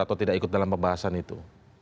atau tidak ikut dalam pembahasan itu